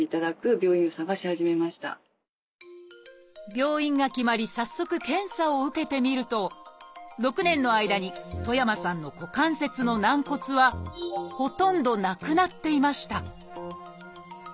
病院が決まり早速検査を受けてみると６年の間に戸山さんの股関節の軟骨はほとんどなくなっていました